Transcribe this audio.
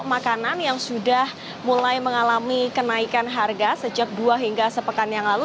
makanan yang sudah mulai mengalami kenaikan harga sejak dua hingga sepekan yang lalu